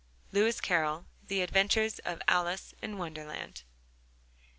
LEWIS CARROLL: "The Adventures of Alice in Wonderland."